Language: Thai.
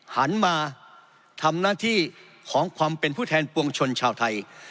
หันมาทำหน้าที่ของความเป็นผู้แทนปวงชนชาวไทย